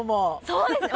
そうですね